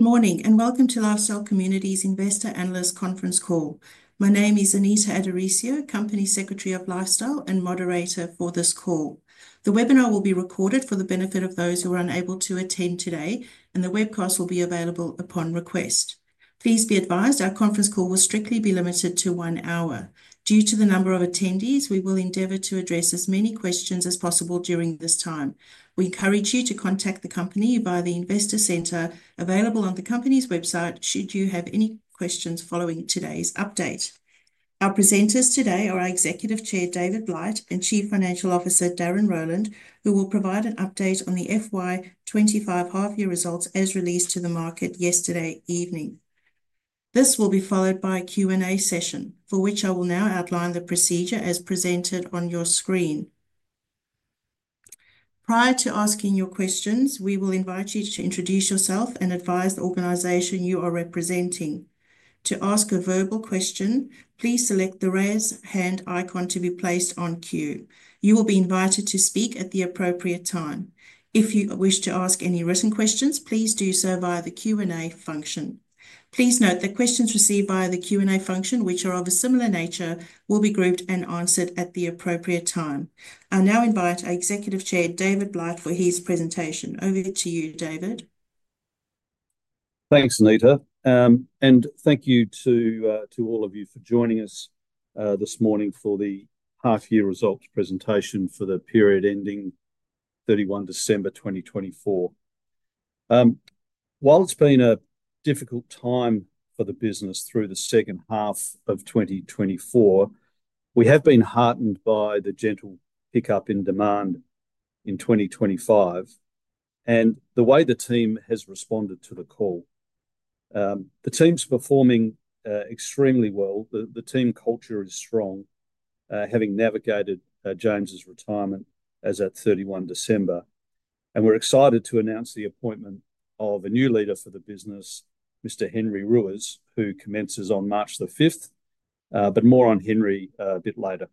Good morning and welcome to Lifestyle Communities Investor Analyst Conference Call. My name is Anita Addorisio, Company Secretary of Lifestyle and Moderator for this call. The webinar will be recorded for the benefit of those who are unable to attend today, and the webcast will be available upon request. Please be advised our conference call will strictly be limited to one hour. Due to the number of attendees, we will endeavor to address as many questions as possible during this time. We encourage you to contact the company via the Investor Centre available on the company's website should you have any questions following today's update. Our presenters today are our Executive Chair, David Blight, and Chief Financial Officer, Darren Rowland, who will provide an update on the FY25 half-year results as released to the market yesterday evening. This will be followed by a Q&A session for which I will now outline the procedure as presented on your screen. Prior to asking your questions, we will invite you to introduce yourself and advise the organisation you are representing. To ask a verbal question, please select the raise hand icon to be placed on queue. You will be invited to speak at the appropriate time. If you wish to ask any written questions, please do so via the Q&A function. Please note that questions received via the Q&A function, which are of a similar nature, will be grouped and answered at the appropriate time. I now invite our Executive Chair, David Blight, for his presentation. Over to you, David. Thanks, Anita. And thank you to all of you for joining us this morning for the half-year results presentation for the period ending 31 December 2024. While it's been a difficult time for the business through the second half of 2024, we have been heartened by the gentle pickup in demand in 2025 and the way the team has responded to the call. The team's performing extremely well. The team culture is strong, having navigated James's retirement as at 31 December. And we're excited to announce the appointment of a new leader for the business, Mr. Henry Ruiz, who commences on March the 5th. But more on Henry a bit later.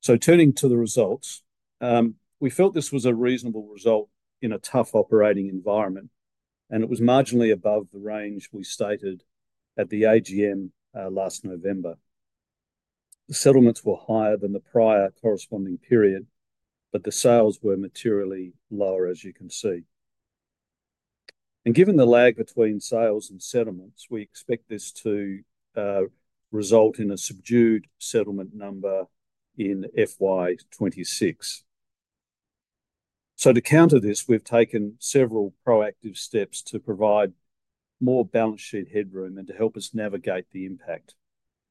So turning to the results, we felt this was a reasonable result in a tough operating environment, and it was marginally above the range we stated at the AGM last November. The settlements were higher than the prior corresponding period, but the sales were materially lower, as you can see, and given the lag between sales and settlements, we expect this to result in a subdued settlement number in FY26, so to counter this, we've taken several proactive steps to provide more balance sheet headroom and to help us navigate the impact.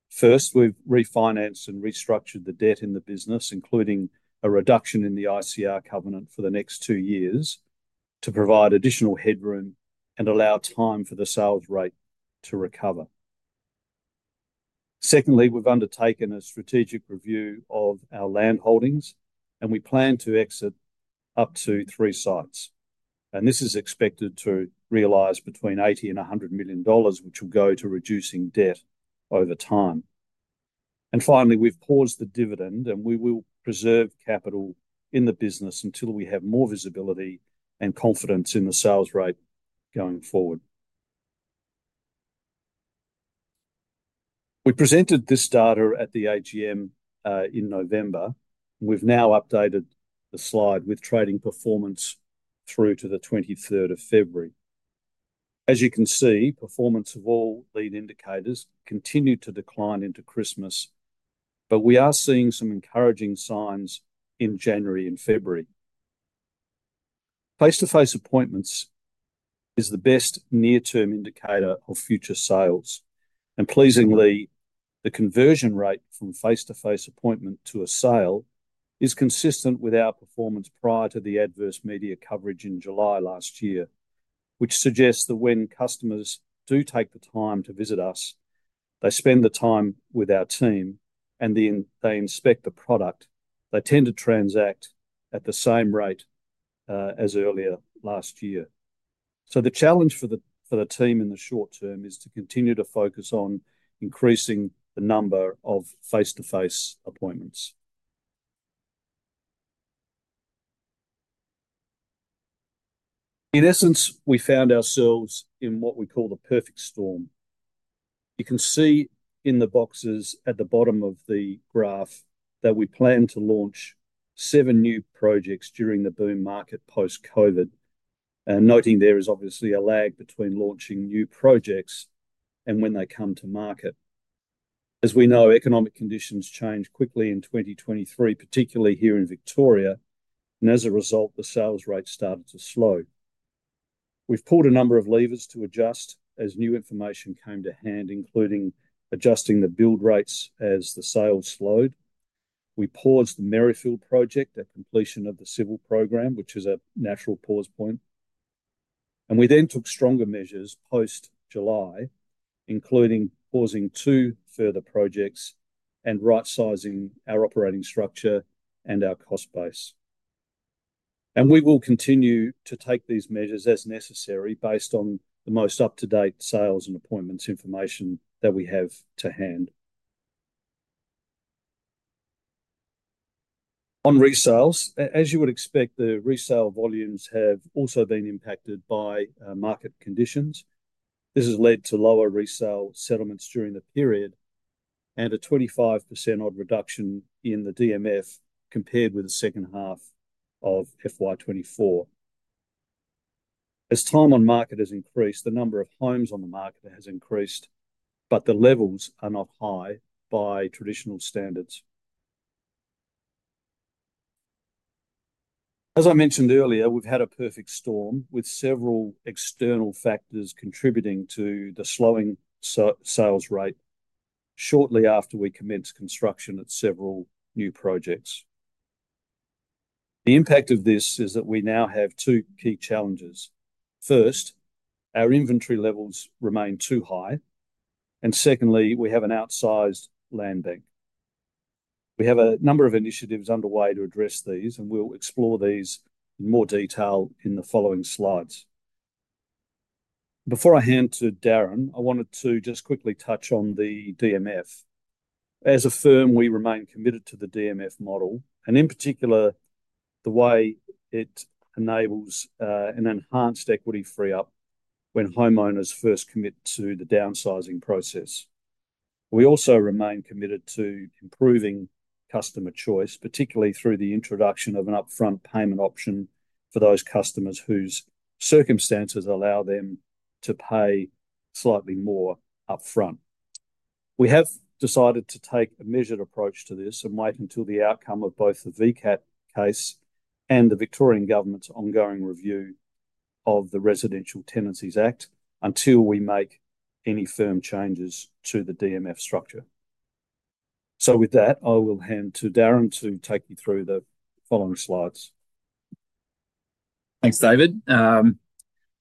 First, we've refinanced and restructured the debt in the business, including a reduction in the ICR covenant for the next two years to provide additional headroom and allow time for the sales rate to recover. Secondly, we've undertaken a strategic review of our land holdings, and we plan to exit up to three sites, and this is expected to realize between 80 million and 100 million dollars, which will go to reducing debt over time. Finally, we've paused the dividend, and we will preserve capital in the business until we have more visibility and confidence in the sales rate going forward. We presented this data at the AGM in November. We've now updated the slide with trading performance through to the 23rd of February. As you can see, performance of all lead indicators continued to decline into Christmas, but we are seeing some encouraging signs in January and February. Face-to-face appointments is the best near-term indicator of future sales. And pleasingly, the conversion rate from face-to-face appointment to a sale is consistent with our performance prior to the adverse media coverage in July last year, which suggests that when customers do take the time to visit us, they spend the time with our team, and they inspect the product. They tend to transact at the same rate as earlier last year. The challenge for the team in the short term is to continue to focus on increasing the number of face-to-face appointments. In essence, we found ourselves in what we call the perfect storm. You can see in the boxes at the bottom of the graph that we plan to launch seven new projects during the boom market post-COVID, and noting there is obviously a lag between launching new projects and when they come to market. As we know, economic conditions changed quickly in 2023, particularly here in Victoria, and as a result, the sales rate started to slow. We've pulled a number of levers to adjust as new information came to hand, including adjusting the build rates as the sales slowed. We paused the Merrifield project at completion of the civil program, which is a natural pause point. We then took stronger measures post-July, including pausing two further projects and right-sizing our operating structure and our cost base. We will continue to take these measures as necessary based on the most up-to-date sales and appointments information that we have to hand. On resales, as you would expect, the resale volumes have also been impacted by market conditions. This has led to lower resale settlements during the period and a 25% odd reduction in the DMF compared with the second half of FY24. As time on market has increased, the number of homes on the market has increased, but the levels are not high by traditional standards. As I mentioned earlier, we've had a perfect storm with several external factors contributing to the slowing sales rate shortly after we commenced construction at several new projects. The impact of this is that we now have two key challenges. First, our inventory levels remain too high. And secondly, we have an outsized land bank. We have a number of initiatives underway to address these, and we'll explore these in more detail in the following slides. Before I hand to Darren, I wanted to just quickly touch on the DMF. As a firm, we remain committed to the DMF model, and in particular, the way it enables an enhanced equity free-up when homeowners first commit to the downsizing process. We also remain committed to improving customer choice, particularly through the introduction of an upfront payment option for those customers whose circumstances allow them to pay slightly more upfront. We have decided to take a measured approach to this and wait until the outcome of both the VCAT case and the Victorian Government's ongoing review of the Residential Tenancies Act until we make any firm changes to the DMF structure. So with that, I will hand to Darren to take you through the following slides. Thanks, David. I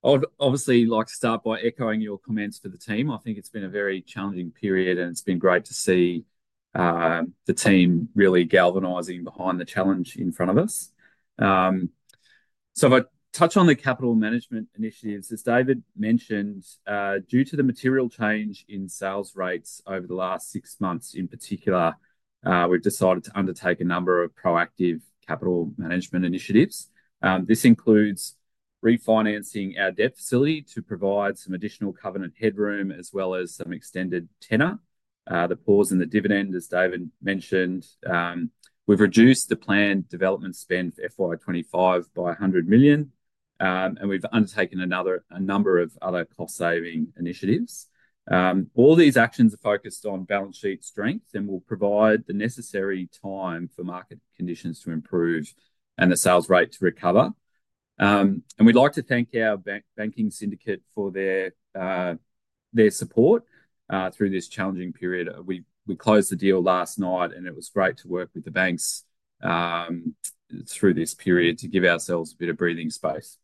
would obviously like to start by echoing your comments to the team. I think it's been a very challenging period, and it's been great to see the team really galvanizing behind the challenge in front of us. So if I touch on the capital management initiatives, as David mentioned, due to the material change in sales rates over the last six months in particular, we've decided to undertake a number of proactive capital management initiatives. This includes refinancing our debt facility to provide some additional covenant headroom as well as some extended tenor. The pause in the dividend, as David mentioned, we've reduced the planned development spend for FY25 by 100 million, and we've undertaken a number of other cost-saving initiatives. All these actions are focused on balance sheet strength and will provide the necessary time for market conditions to improve and the sales rate to recover. We'd like to thank our banking syndicate for their support through this challenging period. We closed the deal last night, and it was great to work with the banks through this period to give ourselves a bit of breathing space.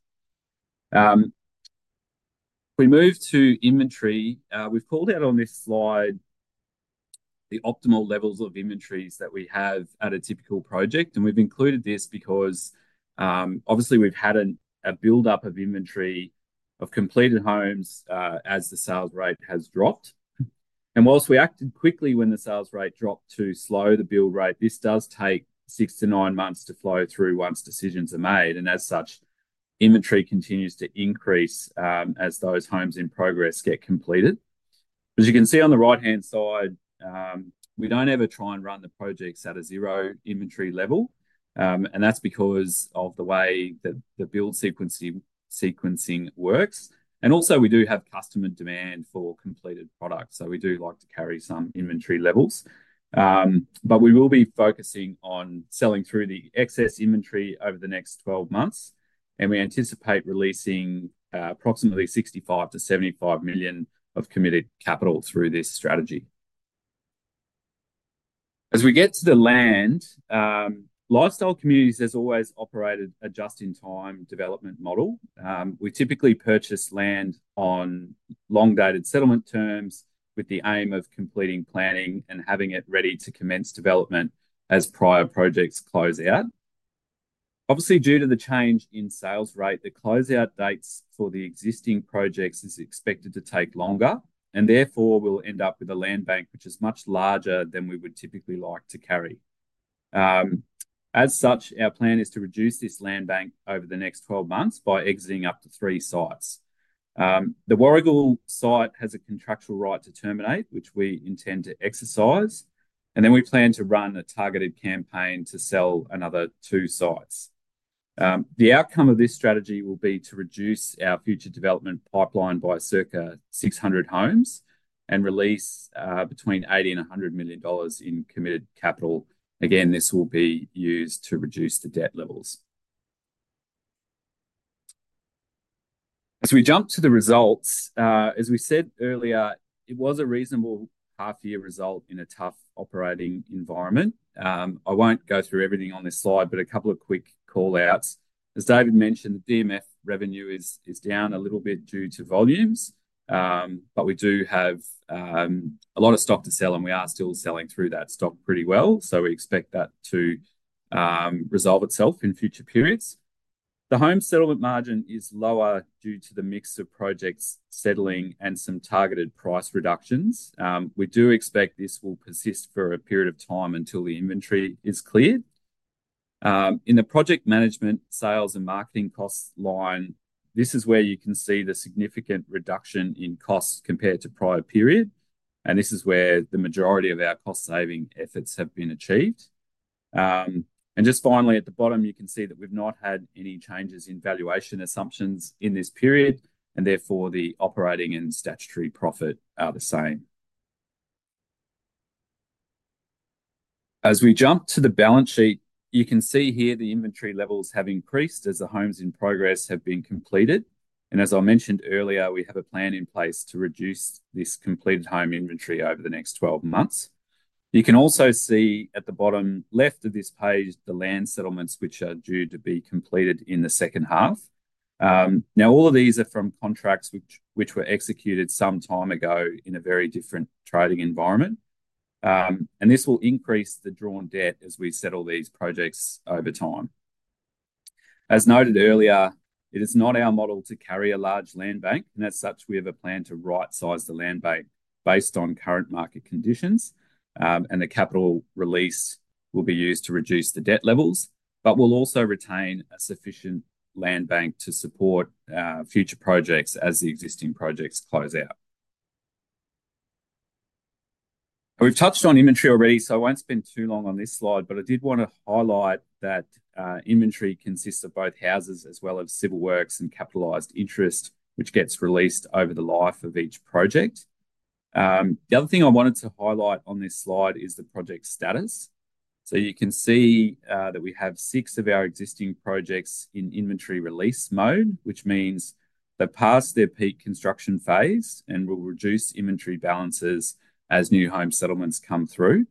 We moved to inventory. We've called out on this slide the optimal levels of inventories that we have at a typical project. We've included this because obviously we've had a build-up of inventory of completed homes as the sales rate has dropped. While we acted quickly when the sales rate dropped to slow the build rate, this does take six to nine months to flow through once decisions are made. As such, inventory continues to increase as those homes in progress get completed. As you can see on the right-hand side, we don't ever try and run the projects at a zero inventory level. That's because of the way that the build sequencing works. Also, we do have customer demand for completed products, so we do like to carry some inventory levels. We will be focusing on selling through the excess inventory over the next 12 months. We anticipate releasing approximately $65 million-$75 million of committed capital through this strategy. As we get to the land, Lifestyle Communities has always operated a just-in-time development model. We typically purchase land on long-dated settlement terms with the aim of completing planning and having it ready to commence development as prior projects close out. Obviously, due to the change in sales rate, the closeout dates for the existing projects are expected to take longer, and therefore we'll end up with a land bank which is much larger than we would typically like to carry. As such, our plan is to reduce this land bank over the next 12 months by exiting up to three sites. The Warragul site has a contractual right to terminate, which we intend to exercise. And then we plan to run a targeted campaign to sell another two sites. The outcome of this strategy will be to reduce our future development pipeline by circa 600 homes and release between 80 million and 100 million dollars in committed capital. Again, this will be used to reduce the debt levels. As we jump to the results, as we said earlier, it was a reasonable half-year result in a tough operating environment. I won't go through everything on this slide, but a couple of quick callouts. As David mentioned, the DMF revenue is down a little bit due to volumes, but we do have a lot of stock to sell, and we are still selling through that stock pretty well. So we expect that to resolve itself in future periods. The home settlement margin is lower due to the mix of projects settling and some targeted price reductions. We do expect this will persist for a period of time until the inventory is cleared. In the project management, sales and marketing costs line, this is where you can see the significant reduction in costs compared to the prior period. And this is where the majority of our cost-saving efforts have been achieved. And just finally, at the bottom, you can see that we've not had any changes in valuation assumptions in this period, and therefore the operating and statutory profit are the same. As we jump to the balance sheet, you can see here the inventory levels have increased as the homes in progress have been completed, and as I mentioned earlier, we have a plan in place to reduce this completed home inventory over the next 12 months. You can also see at the bottom left of this page the land settlements which are due to be completed in the second half. Now, all of these are from contracts which were executed some time ago in a very different trading environment, and this will increase the drawn debt as we settle these projects over time. As noted earlier, it is not our model to carry a large land bank, and as such, we have a plan to right-size the land bank based on current market conditions. And the capital released will be used to reduce the debt levels, but we'll also retain a sufficient land bank to support future projects as the existing projects close out. We've touched on inventory already, so I won't spend too long on this slide, but I did want to highlight that inventory consists of both houses as well as civil works and capitalized interest, which gets released over the life of each project. The other thing I wanted to highlight on this slide is the project status. So you can see that we have six of our existing projects in inventory release mode, which means they're past their peak construction phase and will reduce inventory balances as new home settlements come through.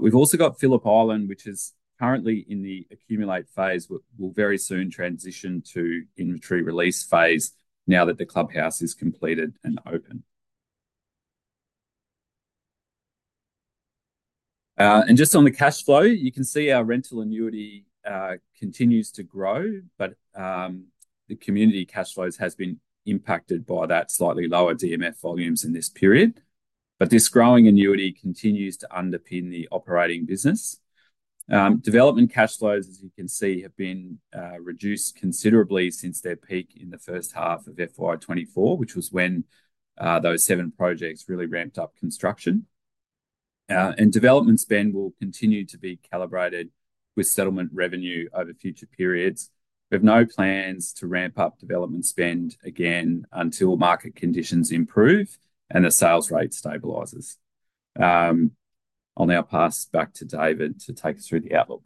We've also got Phillip Island, which is currently in the accumulate phase, but will very soon transition to inventory release phase now that the clubhouse is completed and open. And just on the cash flow, you can see our rental annuity continues to grow, but the community cash flows have been impacted by that slightly lower DMF volumes in this period. But this growing annuity continues to underpin the operating business. Development cash flows, as you can see, have been reduced considerably since their peak in the first half of FY24, which was when those seven projects really ramped up construction. And development spend will continue to be calibrated with settlement revenue over future periods. We have no plans to ramp up development spend again until market conditions improve and the sales rate stabilises. I'll now pass back to David to take us through the outlook.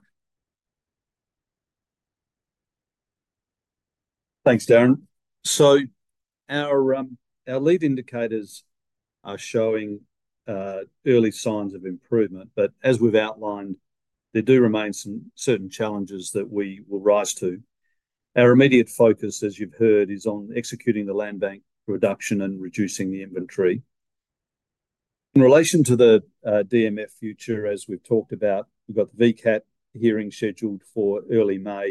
Thanks, Darren. So our lead indicators are showing early signs of improvement, but as we've outlined, there do remain some certain challenges that we will rise to. Our immediate focus, as you've heard, is on executing the land bank reduction and reducing the inventory. In relation to the DMF future, as we've talked about, we've got the VCAT hearing scheduled for early May,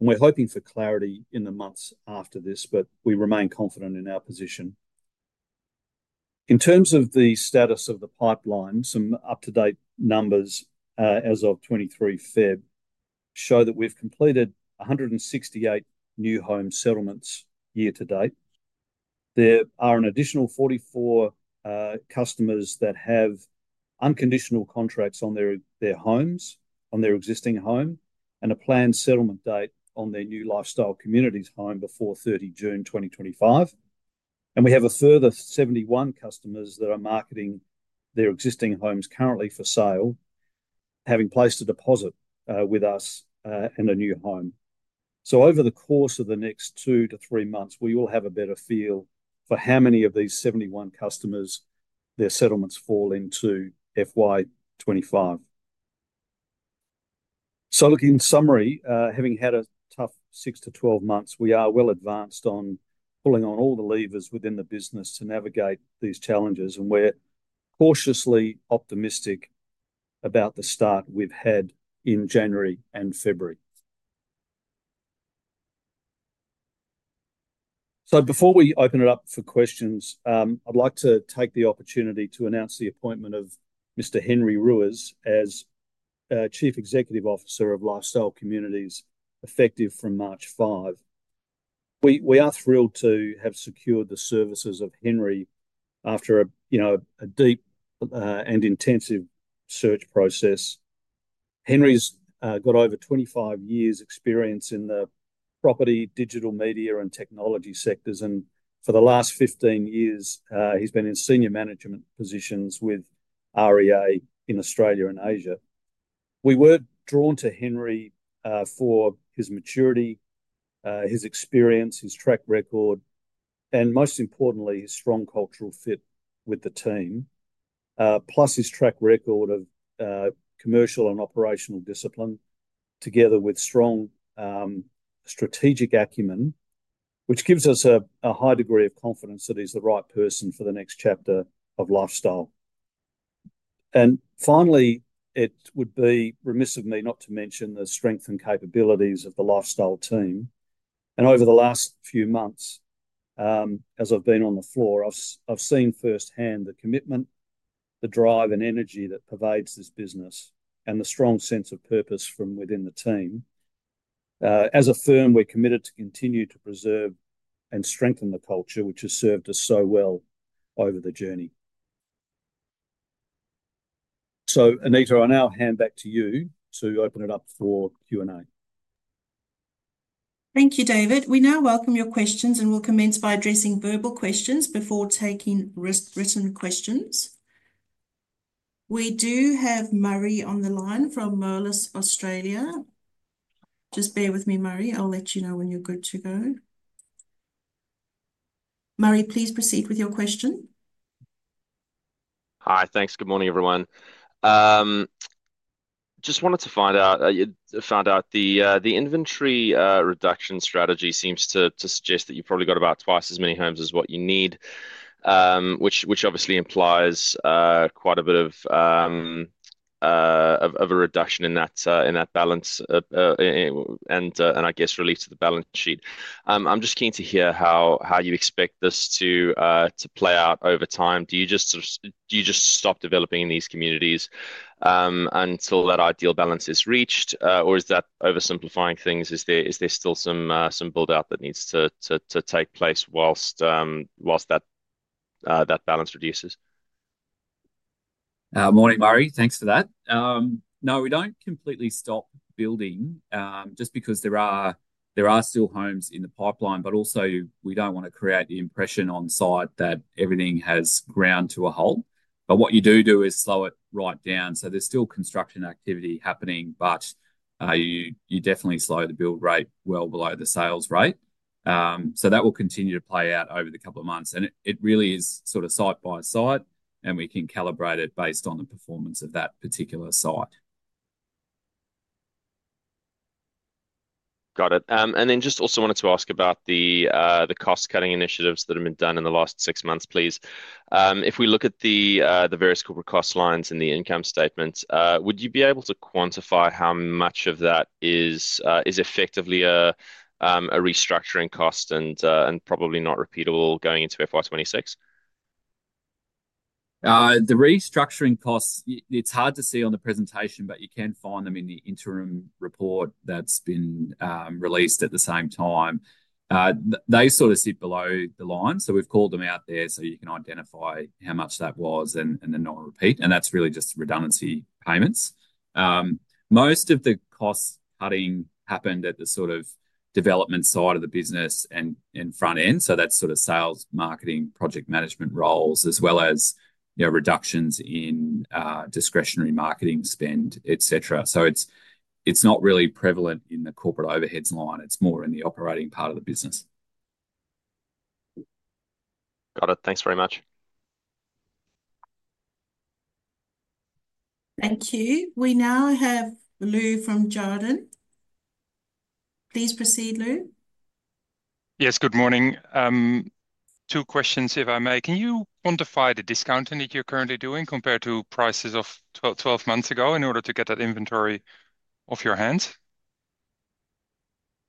and we're hoping for clarity in the months after this, but we remain confident in our position. In terms of the status of the pipeline, some up-to-date numbers as of 23 February show that we've completed 168 new home settlements year to date. There are an additional 44 customers that have unconditional contracts on their homes, on their existing home, and a planned settlement date on their new Lifestyle Communities home before 30 June 2025. We have a further 71 customers that are marketing their existing homes currently for sale, having placed a deposit with us in a new home. So over the course of the next two to three months, we will have a better feel for how many of these 71 customers their settlements fall into FY25. So looking in summary, having had a tough 6-12 months, we are well advanced on pulling on all the levers within the business to navigate these challenges, and we're cautiously optimistic about the start we've had in January and February. So before we open it up for questions, I'd like to take the opportunity to announce the appointment of Mr. Henry Ruiz as Chief Executive Officer of Lifestyle Communities effective from March 5. We are thrilled to have secured the services of Henry after a deep and intensive search process. Henry's got over 25 years' experience in the property, digital media, and technology sectors, and for the last 15 years, he's been in senior management positions with REA in Australia and Asia. We were drawn to Henry for his maturity, his experience, his track record, and most importantly, his strong cultural fit with the team, plus his track record of commercial and operational discipline together with strong strategic acumen, which gives us a high degree of confidence that he's the right person for the next chapter of Lifestyle, and finally, it would be remiss of me not to mention the strength and capabilities of the Lifestyle team, and over the last few months, as I've been on the floor, I've seen firsthand the commitment, the drive, and energy that pervades this business, and the strong sense of purpose from within the team. As a firm, we're committed to continue to preserve and strengthen the culture, which has served us so well over the journey. So Anita, I'll now hand back to you to open it up for Q&A. Thank you, David. We now welcome your questions, and we'll commence by addressing verbal questions before taking written questions. We do have Murray on the line from Moelis Australia. Just bear with me, Murray. I'll let you know when you're good to go. Murray, please proceed with your question. Hi, thanks. Good morning, everyone. Just wanted to find out the inventory reduction strategy seems to suggest that you've probably got about twice as many homes as what you need, which obviously implies quite a bit of a reduction in that balance and, I guess, release to the balance sheet. I'm just keen to hear how you expect this to play out over time. Do you just stop developing in these communities until that ideal balance is reached, or is that oversimplifying things? Is there still some build-up that needs to take place while that balance reduces? Morning, Murray. Thanks for that. No, we don't completely stop building just because there are still homes in the pipeline, but also we don't want to create the impression on site that everything has ground to a halt. What you do is slow it right down. There's still construction activity happening, but you definitely slow the build rate well below the sales rate. That will continue to play out over the couple of months. It really is sort of site by site, and we can calibrate it based on the performance of that particular site. Got it. And then just also wanted to ask about the cost-cutting initiatives that have been done in the last six months, please. If we look at the various corporate cost lines in the income statements, would you be able to quantify how much of that is effectively a restructuring cost and probably not repeatable going into FY26? The restructuring costs, it's hard to see on the presentation, but you can find them in the interim report that's been released at the same time. They sort of sit below the line. So we've called them out there so you can identify how much that was and then not repeat. And that's really just redundancy payments. Most of the cost-cutting happened at the sort of development side of the business and front end. So that's sort of sales, marketing, project management roles, as well as reductions in discretionary marketing spend, etc. So it's not really prevalent in the corporate overheads line. It's more in the operating part of the business. Got it. Thanks very much. Thank you. We now have Lou from Jarden. Please proceed, Lou. Yes, good morning. Two questions, if I may. Can you quantify the discounting that you're currently doing compared to prices of 12 months ago in order to get that inventory off your hands?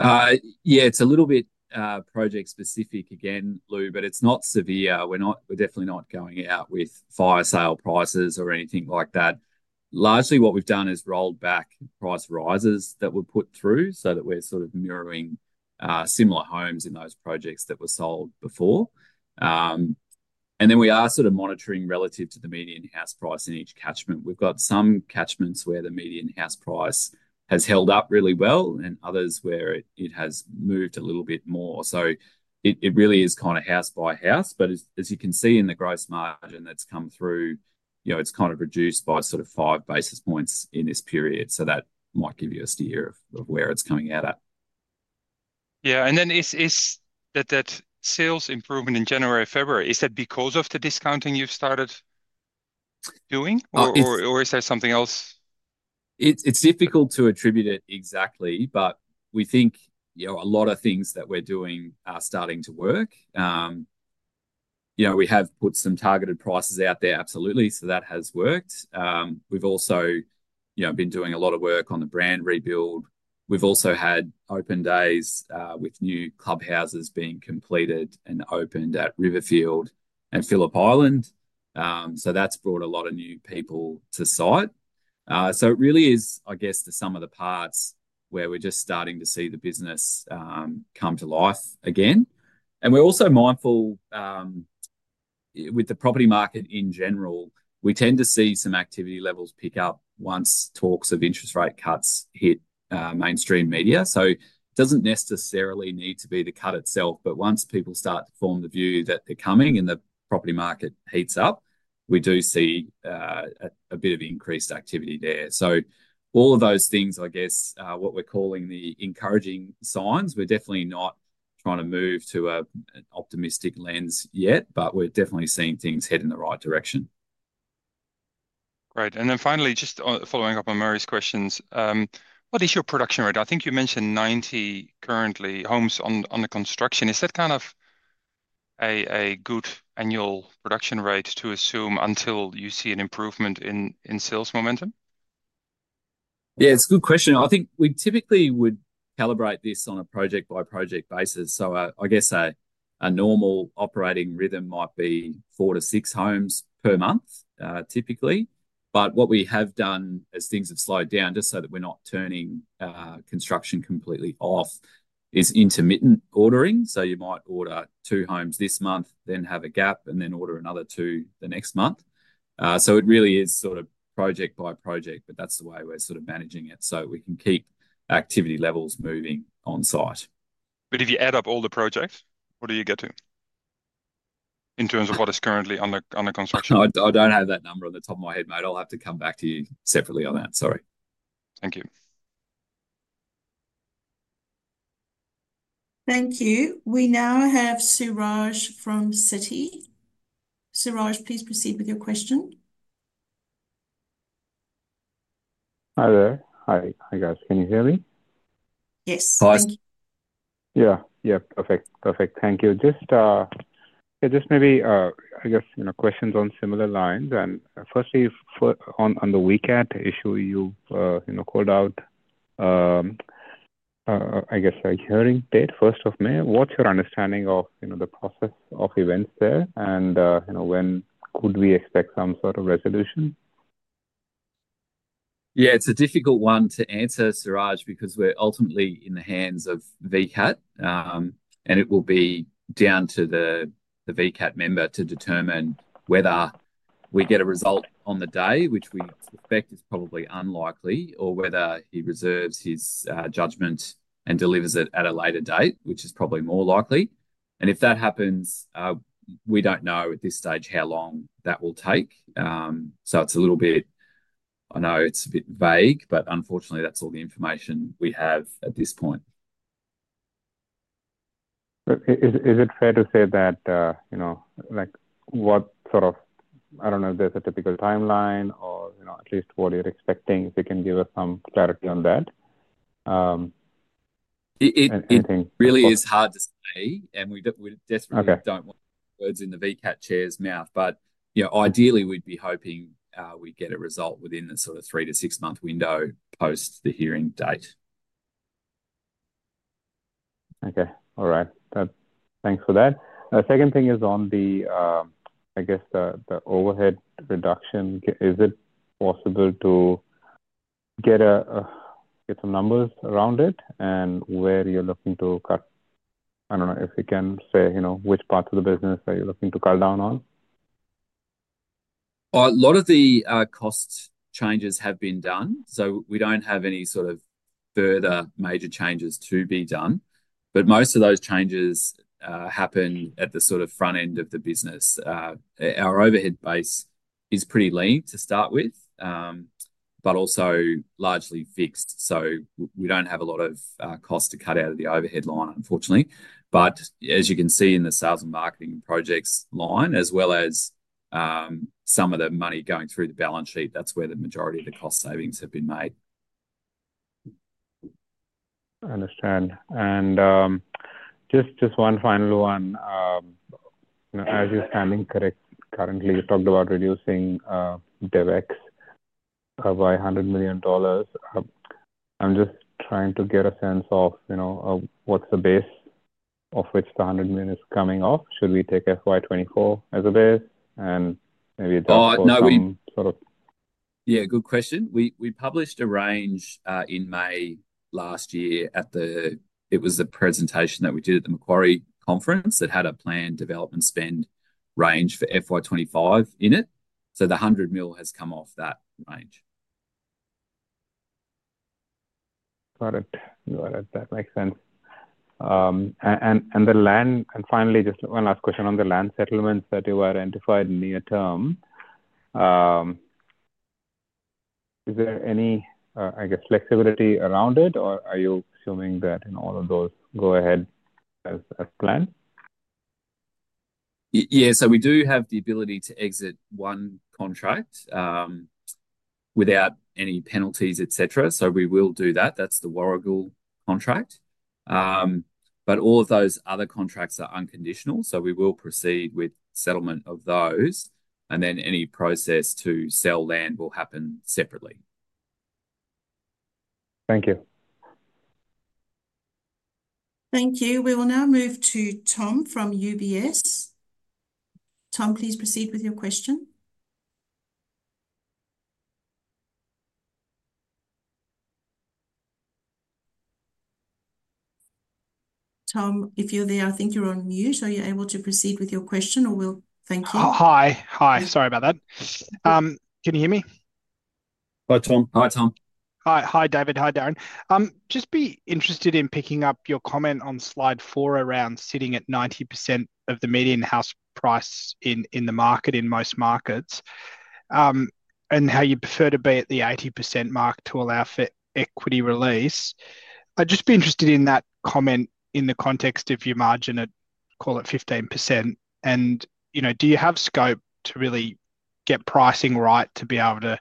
Yeah, it's a little bit project-specific again, Lou, but it's not severe. We're definitely not going out with fire sale prices or anything like that. Largely, what we've done is rolled back price rises that we've put through so that we're sort of mirroring similar homes in those projects that were sold before, and then we are sort of monitoring relative to the median house price in each catchment. We've got some catchments where the median house price has held up really well and others where it has moved a little bit more, so it really is kind of house by house, but as you can see in the gross margin that's come through, it's kind of reduced by sort of five basis points in this period, so that might give you a steer of where it's coming out at. Yeah, and then that sales improvement in January or February, is that because of the discounting you've started doing, or is there something else? It's difficult to attribute it exactly, but we think a lot of things that we're doing are starting to work. We have put some targeted prices out there, absolutely. So that has worked. We've also been doing a lot of work on the brand rebuild. We've also had open days with new clubhouses being completed and opened at Riverfield and Phillip Island. So that's brought a lot of new people to site. So it really is, I guess, the sum of the parts where we're just starting to see the business come to life again. And we're also mindful with the property market in general, we tend to see some activity levels pick up once talks of interest rate cuts hit mainstream media. So it doesn't necessarily need to be the cut itself, but once people start to form the view that they're coming and the property market heats up, we do see a bit of increased activity there. So all of those things, I guess, what we're calling the encouraging signs, we're definitely not trying to move to an optimistic lens yet, but we're definitely seeing things head in the right direction. Great, and then finally, just following up on Murray's questions, what is your production rate? I think you mentioned 90 current homes under construction. Is that kind of a good annual production rate to assume until you see an improvement in sales momentum? Yeah, it's a good question. I think we typically would calibrate this on a project-by-project basis. So I guess a normal operating rhythm might be four to six homes per month, typically. But what we have done as things have slowed down, just so that we're not turning construction completely off, is intermittent ordering. So you might order two homes this month, then have a gap, and then order another two the next month. So it really is sort of project-by-project, but that's the way we're sort of managing it so we can keep activity levels moving on site. But if you add up all the projects, what do you get to in terms of what is currently under construction? I don't have that number on the top of my head, mate. I'll have to come back to you separately on that. Sorry. Thank you. Thank you. We now have Suraj from Citi. Suraj, please proceed with your question. Hi there. Hi, guys. Can you hear me? Yes. Hi. Yeah. Perfect. Thank you. Just maybe, I guess, questions on similar lines. And firstly, on the VCAT issue, you called out, I guess, a hearing date 1st of May. What's your understanding of the process of events there? And when could we expect some sort of resolution? Yeah, it's a difficult one to answer, Suraj, because we're ultimately in the hands of VCAT, and it will be down to the VCAT member to determine whether we get a result on the day, which we suspect is probably unlikely, or whether he reserves his judgment and delivers it at a later date, which is probably more likely. And if that happens, we don't know at this stage how long that will take. So it's a little bit I know it's a bit vague, but unfortunately, that's all the information we have at this point. Is it fair to say that what sort of I don't know if there's a typical timeline or at least what you're expecting, if you can give us some clarity on that? It really is hard to say, and we definitely don't want words in the VCAT chair's mouth, but ideally, we'd be hoping we get a result within the sort of 3-6 month window post the hearing date. Okay. All right. Thanks for that. The second thing is on the, I guess, the overhead reduction. Is it possible to get some numbers around it and where you're looking to cut? I don't know if you can say which parts of the business that you're looking to cut down on. A lot of the cost changes have been done. So we don't have any sort of further major changes to be done. But most of those changes happen at the sort of front end of the business. Our overhead base is pretty lean to start with, but also largely fixed. So we don't have a lot of cost to cut out of the overhead line, unfortunately. But as you can see in the sales and marketing projects line, as well as some of the money going through the balance sheet, that's where the majority of the cost savings have been made. I understand. And just one final one. As it stands currently, you talked about reducing DevEx by 100 million dollars. I'm just trying to get a sense of what's the base off which the 100 million is coming off. Should we take FY24 as a base? And maybe that's sort of. Yeah, good question. We published a range in May last year at the. It was the presentation that we did at the Macquarie Conference that had a planned development spend range for FY25 in it. So the 100 million has come off that range. Got it. Got it. That makes sense. And finally, just one last question on the land settlements that you identified near term. Is there any, I guess, flexibility around it, or are you assuming that all of those go ahead as planned? Yeah. So we do have the ability to exit one contract without any penalties, etc. So we will do that. That's the Warragul contract. But all of those other contracts are unconditional. So we will proceed with settlement of those. And then any process to sell land will happen separately. Thank you. Thank you. We will now move to Tom from UBS. Tom, please proceed with your question. Tom, if you're there, I think you're on mute. Are you able to proceed with your question, or will? Thank you. Hi. Hi. Sorry about that. Can you hear me? Hi, Tom. Hi, Tom. Hi, David. Hi, Darren. Just be interested in picking up your comment on slide four around sitting at 90% of the median house price in the market in most markets and how you prefer to be at the 80% mark to allow for equity release. I'd just be interested in that comment in the context of your margin at, call it, 15%. And do you have scope to really get pricing right to be able to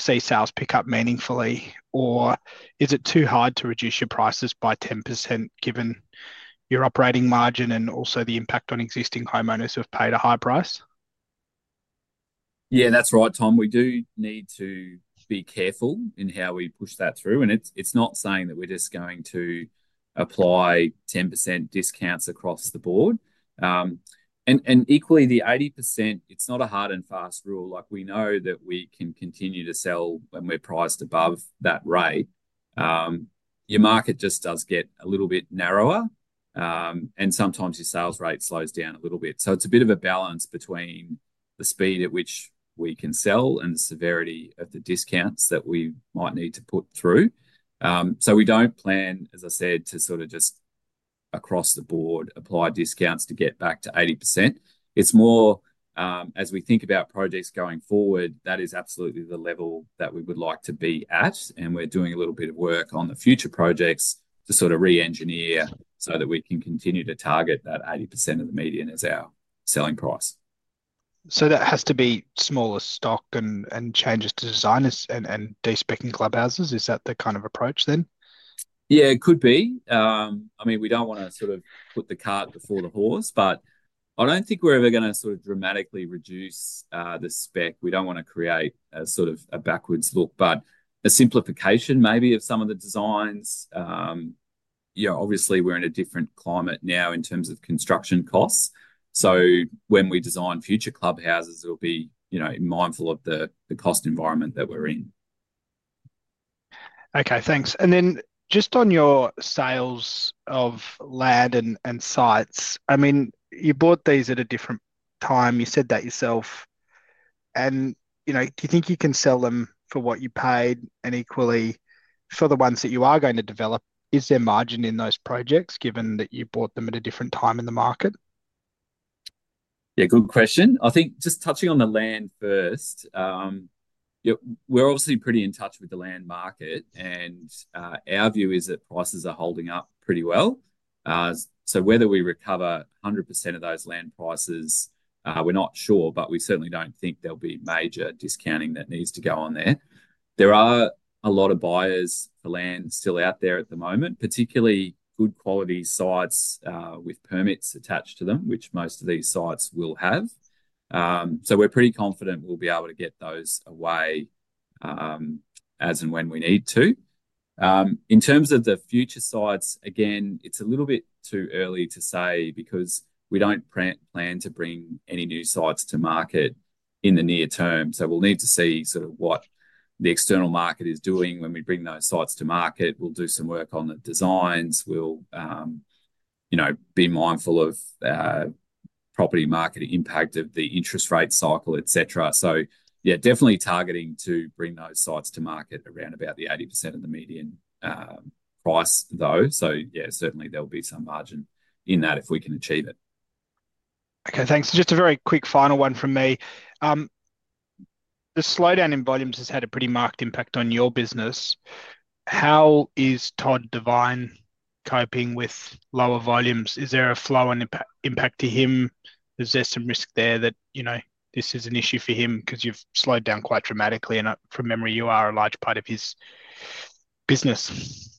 see sales pick up meaningfully, or is it too hard to reduce your prices by 10% given your operating margin and also the impact on existing homeowners who have paid a high price? Yeah, that's right, Tom. We do need to be careful in how we push that through. And it's not saying that we're just going to apply 10% discounts across the board. And equally, the 80%, it's not a hard and fast rule. We know that we can continue to sell when we're priced above that rate. Your market just does get a little bit narrower, and sometimes your sales rate slows down a little bit. So it's a bit of a balance between the speed at which we can sell and the severity of the discounts that we might need to put through. So we don't plan, as I said, to sort of just across the board apply discounts to get back to 80%. It's more as we think about projects going forward, that is absolutely the level that we would like to be at. We're doing a little bit of work on the future projects to sort of re-engineer so that we can continue to target that 80% of the median as our selling price. So that has to be smaller stock and changes to designs and de-speccing clubhouses. Is that the kind of approach then? Yeah, it could be. I mean, we don't want to sort of put the cart before the horse, but I don't think we're ever going to sort of dramatically reduce the spec. We don't want to create sort of a backwards look, but a simplification maybe of some of the designs. Obviously, we're in a different climate now in terms of construction costs. So when we design future clubhouses, we'll be mindful of the cost environment that we're in. Okay. Thanks. And then just on your sales of land and sites, I mean, you bought these at a different time. You said that yourself. And do you think you can sell them for what you paid and equally for the ones that you are going to develop? Is there margin in those projects given that you bought them at a different time in the market? Yeah, good question. I think just touching on the land first, we're obviously pretty in touch with the land market, and our view is that prices are holding up pretty well. So whether we recover 100% of those land prices, we're not sure, but we certainly don't think there'll be major discounting that needs to go on there. There are a lot of buyers for land still out there at the moment, particularly good quality sites with permits attached to them, which most of these sites will have. So we're pretty confident we'll be able to get those away as and when we need to. In terms of the future sites, again, it's a little bit too early to say because we don't plan to bring any new sites to market in the near term. So we'll need to see sort of what the external market is doing when we bring those sites to market. We'll do some work on the designs. We'll be mindful of property market impact of the interest rate cycle, etc. So yeah, definitely targeting to bring those sites to market around about the 80% of the median price, though. So yeah, certainly there'll be some margin in that if we can achieve it. Okay. Thanks. Just a very quick final one from me. The slowdown in volumes has had a pretty marked impact on your business. How is Todd Devine coping with lower volumes? Is there a flow and impact to him? Is there some risk there that this is an issue for him because you've slowed down quite dramatically? And from memory, you are a large part of his business.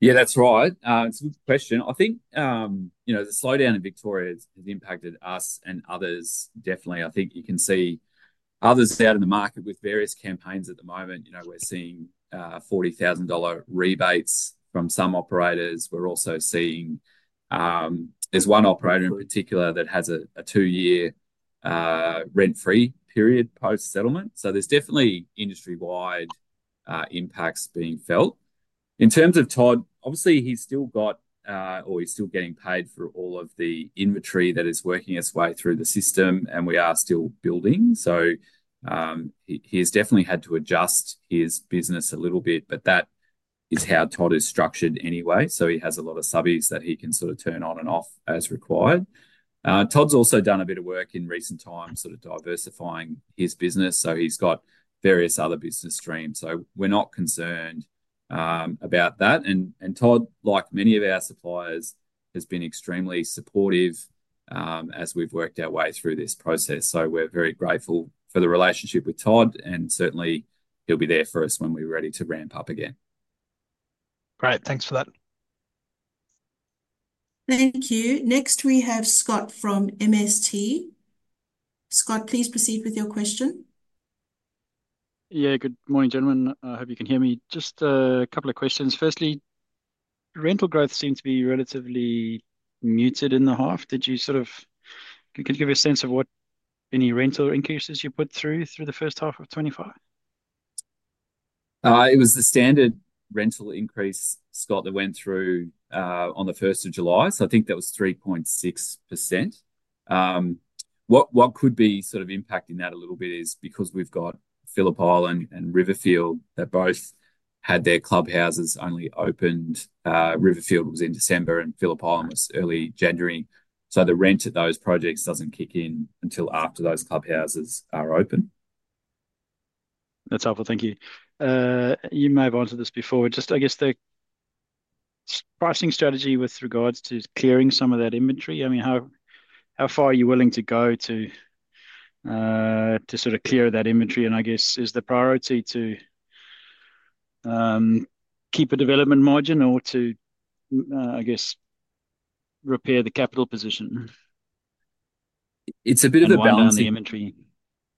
Yeah, that's right. It's a good question. I think the slowdown in Victoria has impacted us and others, definitely. I think you can see others out in the market with various campaigns at the moment. We're seeing 40,000 dollar rebates from some operators. We're also seeing there's one operator in particular that has a two-year rent-free period post-settlement. So there's definitely industry-wide impacts being felt. In terms of Todd, obviously, he's still got or he's still getting paid for all of the inventory that is working its way through the system, and we are still building. So he has definitely had to adjust his business a little bit, but that is how Todd is structured anyway. So he has a lot of subbies that he can sort of turn on and off as required. Todd's also done a bit of work in recent times, sort of diversifying his business. So he's got various other business streams. So we're not concerned about that. And Todd, like many of our suppliers, has been extremely supportive as we've worked our way through this process. So we're very grateful for the relationship with Todd, and certainly, he'll be there for us when we're ready to ramp up again. Great. Thanks for that. Thank you. Next, we have Scott from MST. Scott, please proceed with your question. Yeah. Good morning, gentlemen. I hope you can hear me. Just a couple of questions. Firstly, rental growth seems to be relatively muted in the half. Did you sort of can you give a sense of what any rental increases you put through in the first half of 2025? It was the standard rental increase, Scott, that went through on the 1st of July. So I think that was 3.6%. What could be sort of impacting that a little bit is because we've got Phillip Island and Riverfield that both had their clubhouses only opened. Riverfield was in December, and Phillip Island was early January. So the rent at those projects doesn't kick in until after those clubhouses are open. That's helpful. Thank you. You may have answered this before, but just, I guess, the pricing strategy with regards to clearing some of that inventory. I mean, how far are you willing to go to sort of clear that inventory? And I guess, is the priority to keep a development margin or to, I guess, repair the capital position?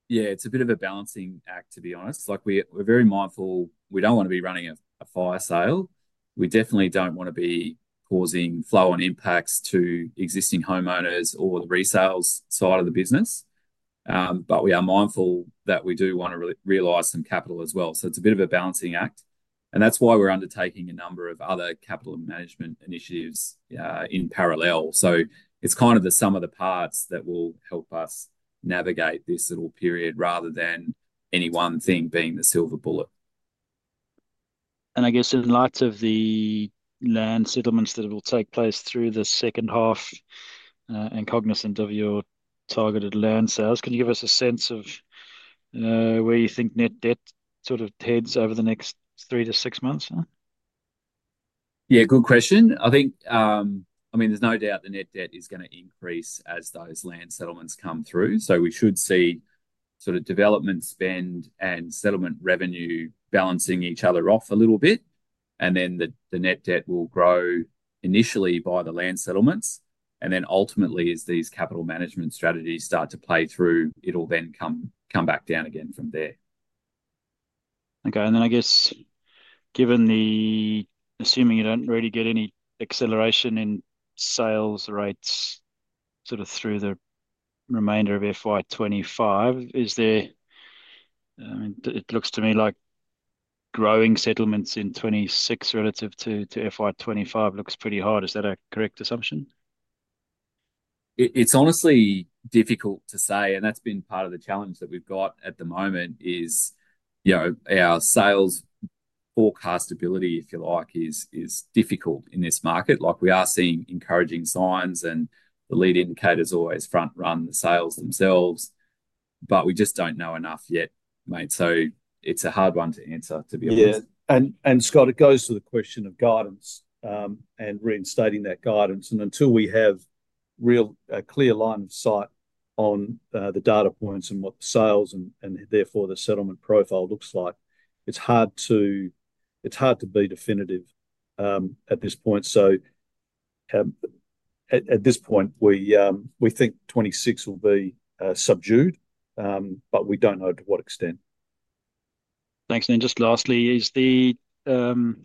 Yeah, it's a bit of a balancing act, to be honest. We're very mindful. We don't want to be running a fire sale. We definitely don't want to be causing flow-on impacts to existing homeowners or the resales side of the business. But we are mindful that we do want to realize some capital as well. So it's a bit of a balancing act. And that's why we're undertaking a number of other capital management initiatives in parallel. So it's kind of the sum of the parts that will help us navigate this little period rather than any one thing being the silver bullet. I guess in light of the land settlements that will take place through the second half and cognizant of your targeted land sales, can you give us a sense of where you think net debt sort of heads over the next 3-6 months? Yeah, good question. I mean, there's no doubt the net debt is going to increase as those land settlements come through. So we should see sort of development spend and settlement revenue balancing each other off a little bit. And then the net debt will grow initially by the land settlements. And then ultimately, as these capital management strategies start to play through, it'll then come back down again from there. Okay. And then I guess, assuming you don't really get any acceleration in sales rates sort of through the remainder of FY25, is there? It looks to me like growing settlements in 2026 relative to FY25 looks pretty hard. Is that a correct assumption? It's honestly difficult to say, and that's been part of the challenge that we've got at the moment is our sales forecastability, if you like, is difficult in this market. We are seeing encouraging signs, and the lead indicators always front-run the sales themselves, but we just don't know enough yet, mate, so it's a hard one to answer, to be honest. Yeah. And Scott, it goes to the question of guidance and reinstating that guidance. And until we have a clear line of sight on the data points and what the sales and therefore the settlement profile looks like, it's hard to be definitive at this point. So at this point, we think '26 will be subdued, but we don't know to what extent. Thanks. And just lastly, is the demand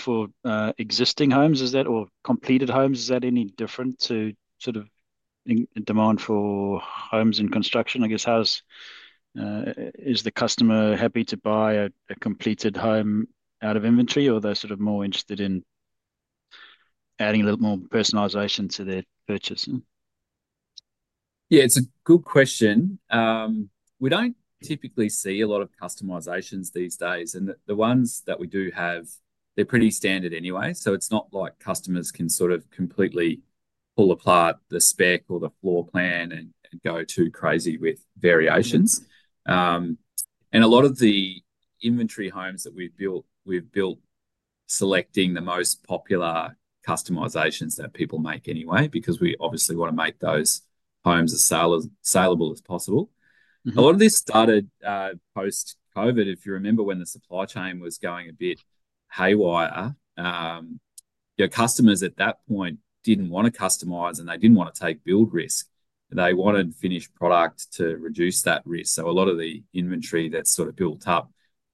for existing homes, or completed homes, is that any different to sort of demand for homes in construction? I guess, is the customer happy to buy a completed home out of inventory, or are they sort of more interested in adding a little more personalization to their purchase? Yeah, it's a good question. We don't typically see a lot of customizations these days, and the ones that we do have, they're pretty standard anyway, so it's not like customers can sort of completely pull apart the spec or the floor plan and go too crazy with variations, and a lot of the inventory homes that we've built, we've built selecting the most popular customizations that people make anyway because we obviously want to make those homes as salable as possible. A lot of this started post-COVID, if you remember, when the supply chain was going a bit haywire. Customers at that point didn't want to customize, and they didn't want to take build risk. They wanted finished product to reduce that risk. So a lot of the inventory that's sort of built up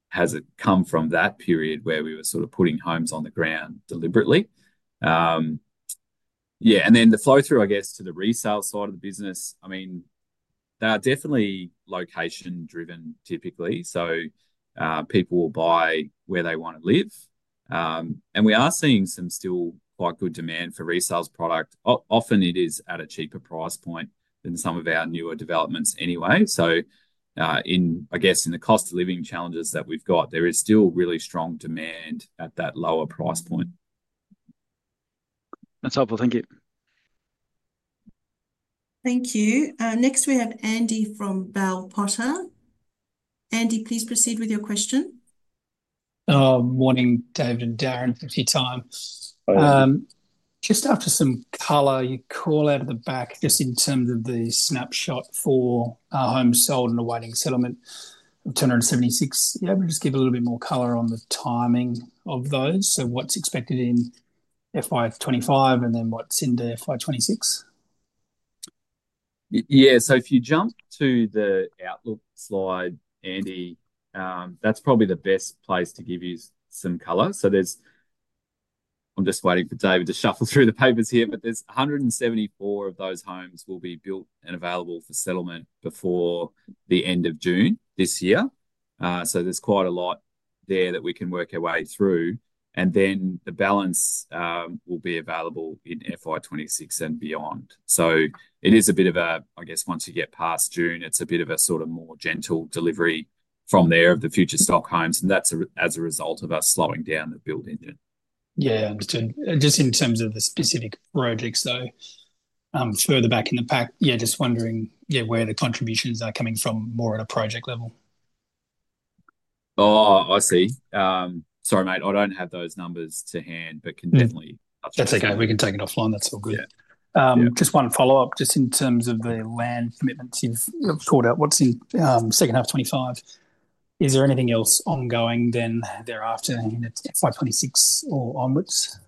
has come from that period where we were sort of putting homes on the ground deliberately. Yeah. And then the flow through, I guess, to the resale side of the business, I mean, they are definitely location-driven, typically. So people will buy where they want to live. And we are seeing some still quite good demand for resales product. Often, it is at a cheaper price point than some of our newer developments anyway. So I guess in the cost of living challenges that we've got, there is still really strong demand at that lower price point. That's helpful. Thank you. Thank you. Next, we have Andy from Bell Potter. Andy, please proceed with your question. Morning, David and Darren. Thank you, Tom. Just after some color, you called out in the pack just in terms of the snapshot for homes sold and awaiting settlement of 276. Yeah, we'll just give a little bit more color on the timing of those. So what's expected in FY25 and then what's in the FY26? Yeah. So if you jump to the outlook slide, Andy, that's probably the best place to give you some color. So I'm just waiting for David to shuffle through the papers here, but there's 174 of those homes will be built and available for settlement before the end of June this year. So there's quite a lot there that we can work our way through. And then the balance will be available in FY26 and beyond. So it is a bit of a, I guess, once you get past June, it's a bit of a sort of more gentle delivery from there of the future stock homes. And that's as a result of us slowing down the build engine. Yeah, understood. Just in terms of the specific projects, though, further back in the pack, yeah, just wondering, yeah, where the contributions are coming from more at a project level. Oh, I see. Sorry, mate. I don't have those numbers to hand, but can definitely. That's okay. We can take it offline. That's all good. Just one follow-up. Just in terms of the land commitments you've called out, what's in second half 2025? Is there anything else ongoing then thereafter in FY26 or onwards?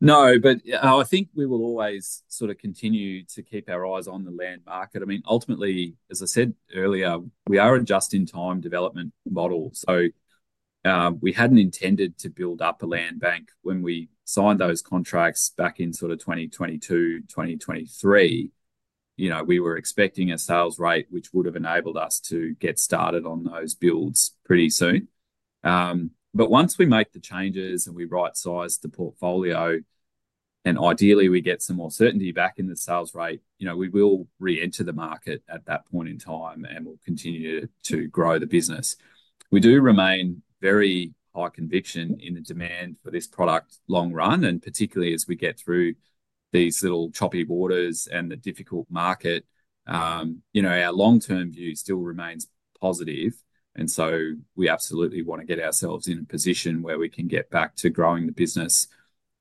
No, but I think we will always sort of continue to keep our eyes on the land market. I mean, ultimately, as I said earlier, we are a just-in-time development model. So we hadn't intended to build up a land bank when we signed those contracts back in sort of 2022, 2023. We were expecting a sales rate which would have enabled us to get started on those builds pretty soon. But once we make the changes and we right-size the portfolio, and ideally, we get some more certainty back in the sales rate, we will re-enter the market at that point in time, and we'll continue to grow the business. We do remain very high conviction in the demand for this product long run, and particularly as we get through these little choppy waters and the difficult market, our long-term view still remains positive. And so we absolutely want to get ourselves in a position where we can get back to growing the business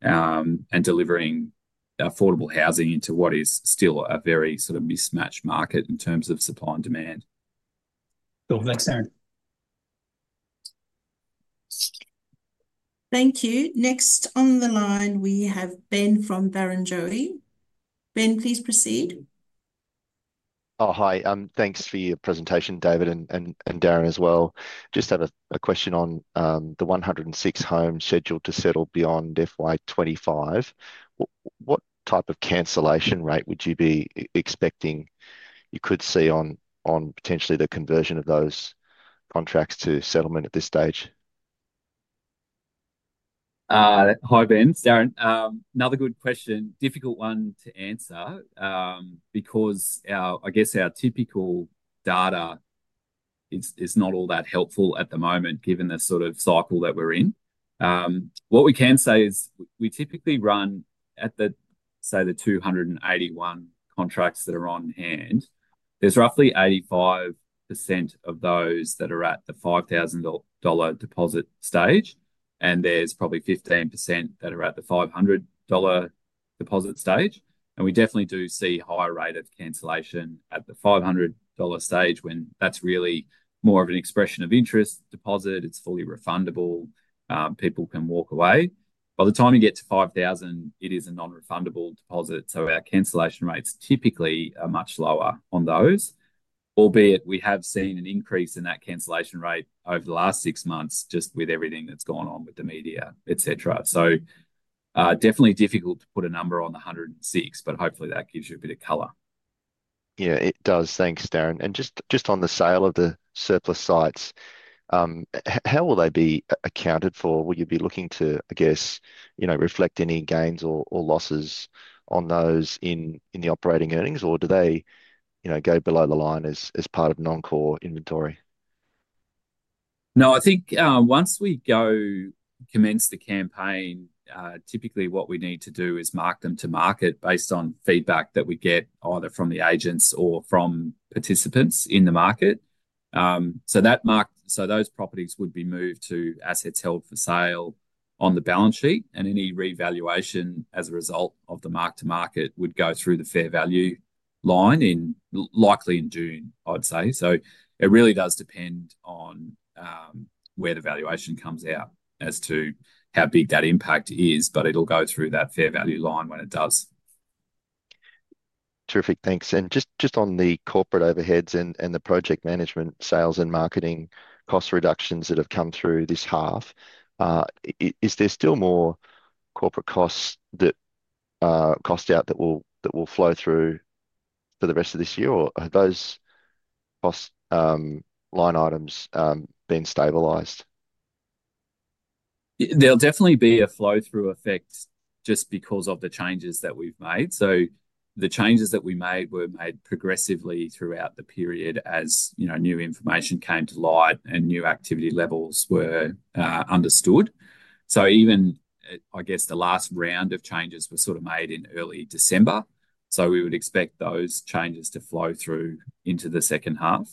and delivering affordable housing into what is still a very sort of mismatched market in terms of supply and demand. Thanks, Darren. Thank you. Next on the line, we have Ben from Barrenjoey. Ben, please proceed. Hi. Thanks for your presentation, David, and Darren as well. Just have a question on the 106 homes scheduled to settle beyond FY25. What type of cancellation rate would you be expecting you could see on potentially the conversion of those contracts to settlement at this stage? Hi, Ben. Darren. Another good question. Difficult one to answer because I guess our typical data is not all that helpful at the moment given the sort of cycle that we're in. What we can say is we typically run at the, say, the 281 contracts that are on hand. There's roughly 85% of those that are at the 5,000 dollar deposit stage, and there's probably 15% that are at the 500 dollar deposit stage. And we definitely do see a higher rate of cancellation at the 500 dollar stage when that's really more of an expression of interest deposit. It's fully refundable. People can walk away. By the time you get to 5,000, it is a non-refundable deposit. So our cancellation rates typically are much lower on those, albeit we have seen an increase in that cancellation rate over the last six months just with everything that's gone on with the media, etc. So definitely difficult to put a number on the 106, but hopefully, that gives you a bit of color. Yeah, it does. Thanks, Darren. And just on the sale of the surplus sites, how will they be accounted for? Will you be looking to, I guess, reflect any gains or losses on those in the operating earnings, or do they go below the line as part of non-core inventory? No, I think once we go commence the campaign, typically what we need to do is mark them to market based on feedback that we get either from the agents or from participants in the market. So those properties would be moved to assets held for sale on the balance sheet, and any revaluation as a result of the mark-to-market would go through the fair value line likely in June, I'd say, so it really does depend on where the valuation comes out as to how big that impact is, but it'll go through that fair value line when it does. Terrific. Thanks. And just on the corporate overheads and the project management sales and marketing cost reductions that have come through this half, is there still more corporate costs that cost out that will flow through for the rest of this year, or have those cost line items been stabilized? There'll definitely be a flow-through effect just because of the changes that we've made. So the changes that we made were made progressively throughout the period as new information came to light and new activity levels were understood. So even, I guess, the last round of changes were sort of made in early December. So we would expect those changes to flow through into the second half.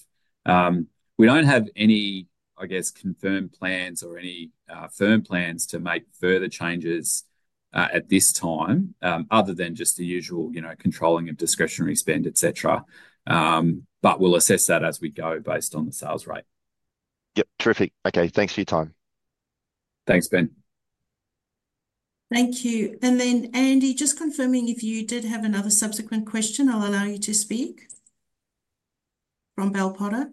We don't have any, I guess, confirmed plans or any firm plans to make further changes at this time other than just the usual controlling of discretionary spend, etc. But we'll assess that as we go based on the sales rate. Yep. Terrific. Okay. Thanks for your time. Thanks, Ben. Thank you. And then, Andy, just confirming if you did have another subsequent question, I'll allow you to speak from Bell Potter.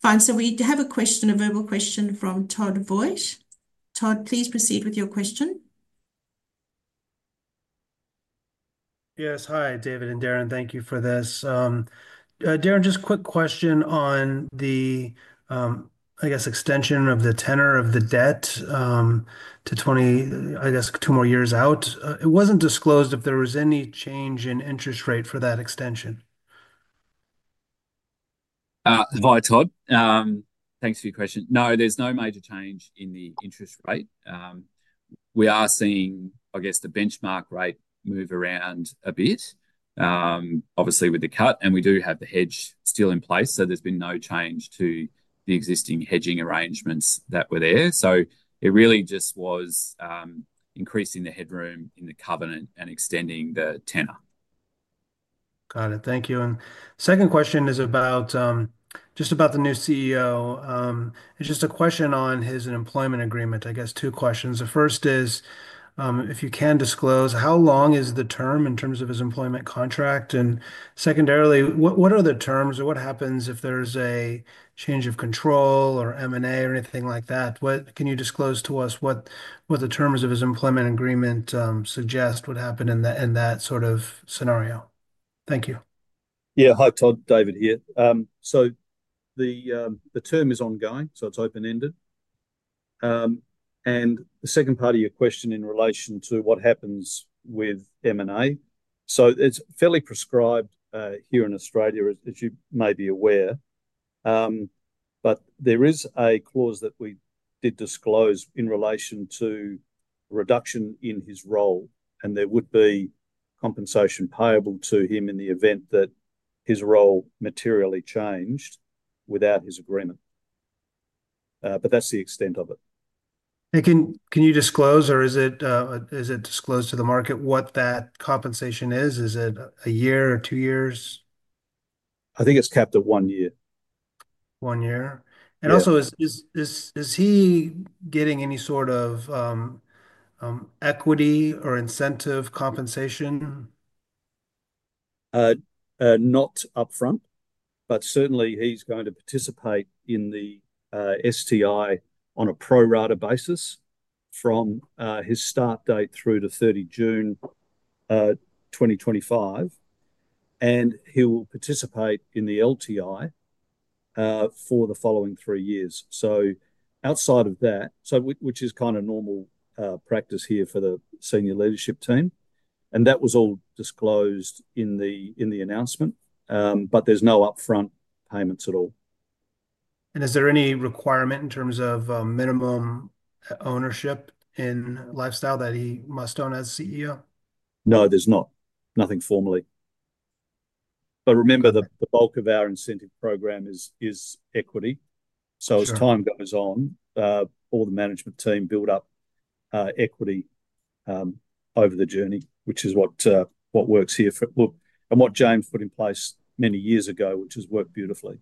Fine. So we have a verbal question from Todd Voigt. Todd, please proceed with your question. Yes. Hi, David and Darren. Thank you for this. Darren, just a quick question on the, I guess, extension of the tenor of the debt to, I guess, two more years out. It wasn't disclosed if there was any change in interest rate for that extension? Hi, Todd. Thanks for your question. No, there's no major change in the interest rate. We are seeing, I guess, the benchmark rate move around a bit, obviously, with the cut. And we do have the hedge still in place. So there's been no change to the existing hedging arrangements that were there. So it really just was increasing the headroom in the covenant and extending the tenor. Got it. Thank you. And second question is just about the new CEO. It's just a question on his employment agreement, I guess, two questions. The first is, if you can disclose, how long is the term in terms of his employment contract? And secondarily, what are the terms or what happens if there's a change of control or M&A or anything like that? Can you disclose to us what the terms of his employment agreement suggest would happen in that sort of scenario? Thank you. Yeah. Hi, Todd, David here. So the term is ongoing. So it's open-ended. And the second part of your question in relation to what happens with M&A, so it's fairly prescribed here in Australia, as you may be aware. But there is a clause that we did disclose in relation to reduction in his role, and there would be compensation payable to him in the event that his role materially changed without his agreement. But that's the extent of it. Can you disclose, or is it disclosed to the market what that compensation is? Is it a year or two years? I think it's capped at one year. One year, and also, is he getting any sort of equity or incentive compensation? Not upfront, but certainly, he's going to participate in the STI on a pro-rata basis from his start date through to 30 June 2025, and he will participate in the LTI for the following three years, so outside of that, which is kind of normal practice here for the senior leadership team, and that was all disclosed in the announcement, but there's no upfront payments at all. Is there any requirement in terms of minimum ownership in Lifestyle that he must own as CEO? No, there's not. Nothing formal. But remember, the bulk of our incentive program is equity. So as time goes on, all the management team build up equity over the journey, which is what works here and what James put in place many years ago, which has worked beautifully.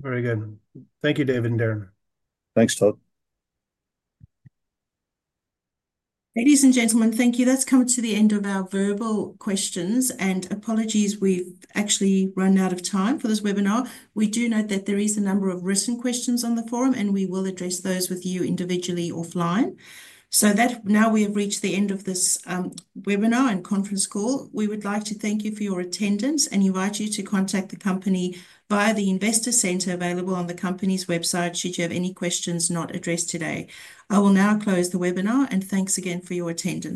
Very good. Thank you, David and Darren. Thanks, Todd. Ladies and gentlemen, thank you. That's come to the end of our verbal questions, and apologies, we've actually run out of time for this webinar. We do note that there is a number of written questions on the forum, and we will address those with you individually offline, so now we have reached the end of this webinar and conference call. We would like to thank you for your attendance and invite you to contact the company via the Investor Centre available on the company's website should you have any questions not addressed today. I will now close the webinar, and thanks again for your attendance.